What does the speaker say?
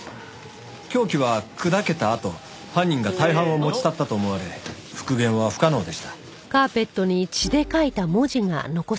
凶器は砕けたあと犯人が大半を持ち去ったと思われ復元は不可能でした。